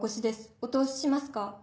お通ししますか？